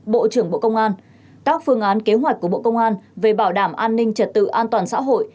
bộ trưởng bộ công an các phương án kế hoạch của bộ công an về bảo đảm an ninh trật tự an toàn xã hội